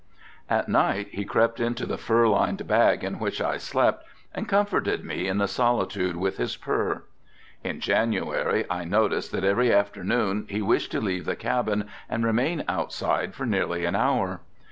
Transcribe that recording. At night he crept into the fur lined bag in which I slept and comforted me in the solitude with his pur. In January I noticed that every afternoon he wished to leave the cabin and remain outside for nearly an hour.